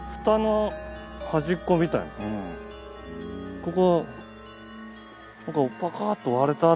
ここ。